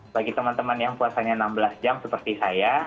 bagi teman teman yang puasanya enam belas jam seperti saya